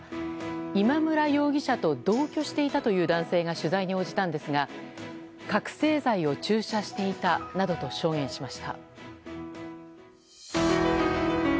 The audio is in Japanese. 今村容疑者と同居していたという男性が取材に応じたんですが覚醒剤を注射していたなどと証言しました。